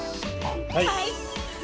はい！